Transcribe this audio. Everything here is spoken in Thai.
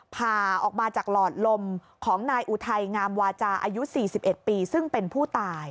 ผ่าออกมาจากหลอดลมของนายอุทัยงามวาจาอายุ๔๑ปีซึ่งเป็นผู้ตาย